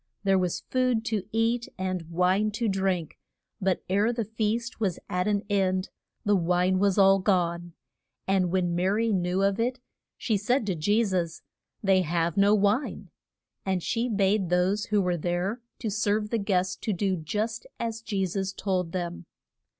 There was food to eat and wine to drink, but ere the feast was at an end the wine was all gone. And when Ma ry knew of it she said to Je sus, They have no wine. And she bade those who were there to serve the guests to do just as Je sus told them.